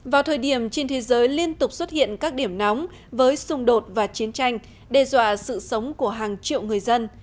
vào thời điểm trên thế giới liên tục xuất hiện các điểm nóng với xung đột và chiến tranh đe dọa sự sống của hàng triệu người dân